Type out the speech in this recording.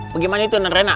bagaimana itu londrena